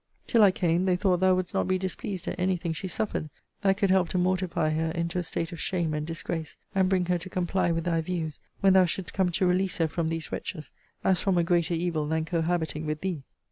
Till I came, they thought thou wouldst not be displeased at any thing she suffered, that could help to mortify her into a state of shame and disgrace; and bring her to comply with thy views, when thou shouldst come to release her from these wretches, as from a greater evil than cohabiting with thee.